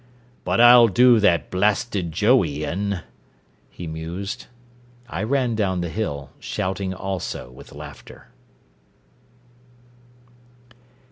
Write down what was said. "But I'll do that blasted Joey in " he mused, I ran down the hill, shouting also with laughter.